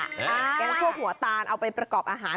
แกงคั่วหัวตานเอาไปประกอบอาหาร